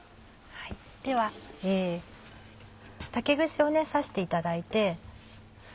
では竹串を刺していただいて。